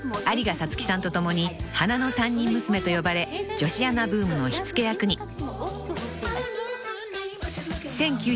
有賀さつきさんと共に花の三人娘と呼ばれ女子アナブームの火付け役に］